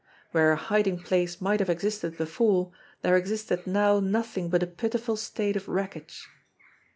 Where a hiding place might have existed before, there existed now nothing but a pitiful state of wreckage